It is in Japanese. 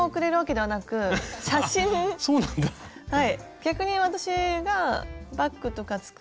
はい。